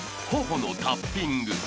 頬のタッピング］